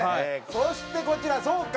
そしてこちらそうか。